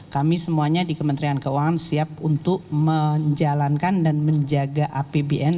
kami semuanya di kementerian keuangan siap untuk menjalankan dan menjaga apbn